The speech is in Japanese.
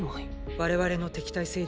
我々の敵対勢力